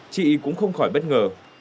chị cũng không khỏi bất ngờ